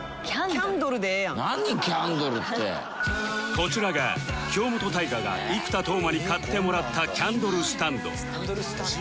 こちらが京本大我が生田斗真に買ってもらったキャンドルスタンド